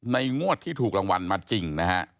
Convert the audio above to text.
งวดที่ถูกรางวัลมาจริงนะฮะ